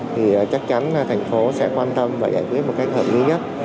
thì chắc chắn là thành phố sẽ quan tâm và giải quyết một cái hợp lý nhất